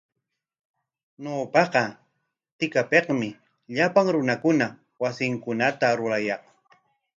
Ñawpaqa tikapikmi llapan runakuna wasinkunata rurayaq.